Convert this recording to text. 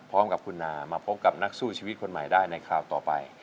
พร้อมกับคุณนามาพบกับนักสู้ชีวิตคนใหม่ได้ในคราวต่อไป